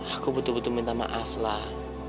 aku butuh butuh minta maaf lah